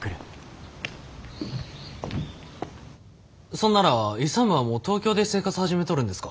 そんなら勇はもう東京で生活始めとるんですか？